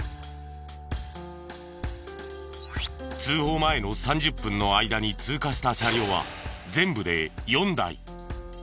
通報前の３０分の間に通過した車両は全部で４台。